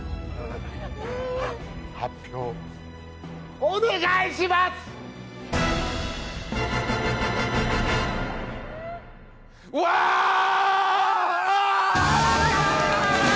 発表、お願いします！